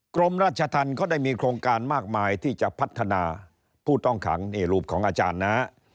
กรมราชธรรมเขาได้มีโครงการมากมายที่จะพัฒนาผู้ต้องขังนี่รูปของอาจารย์นะ